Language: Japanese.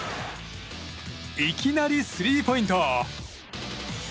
いきなりスリーポイント！